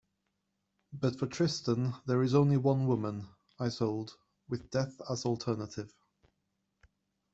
But for Tristan there is only one woman, Isolde, with Death as alternative.